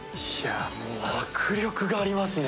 迫力がありますね。